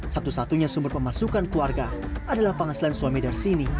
satu satunya sumber pemasukan keluarga adalah pangaslan suami darsini